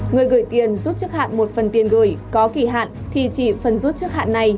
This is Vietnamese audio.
người gửi tiền rút trước hạn một phần tiền gửi có kỳ hạn thì chỉ phần rút trước hạn này